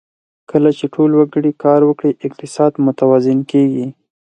کله چې ټول وګړي کار وکړي، اقتصاد متوازن کېږي.